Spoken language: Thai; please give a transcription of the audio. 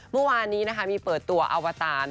เมื่อวานนี้มีเปิดตัวอวตา